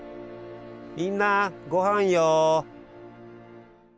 みんなごはんよ。